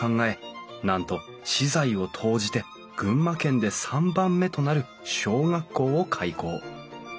なんと私財を投じて群馬県で３番目となる小学校を開校。